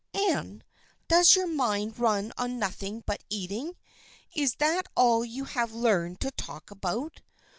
" Anne ! Does your mind run on nothing but eating? Is that all you have learned to talk about